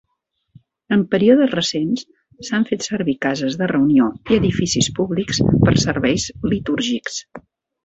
En períodes recents, s'han fet servir cases de reunió i edificis públics per serveis litúrgics.